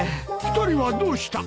２人はどうした！？